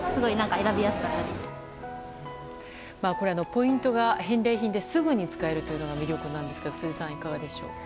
ポイントが返礼品ですぐに使えるのが魅力ですね辻さんいかがでしょう。